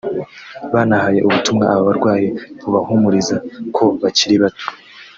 banahaye ubutumwa aba barwanyi bubahumuriza ko bakiri bato